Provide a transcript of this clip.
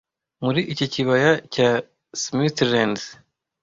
muri iki kibaya cya smithereens